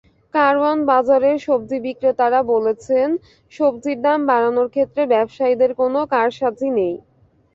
কারওয়ান বাজারের সবজি বিক্রেতারা বলছেন, সবজির দাম বাড়ানোর ক্ষেত্রে ব্যবসায়ীদের কোনো কারসাজি নেই।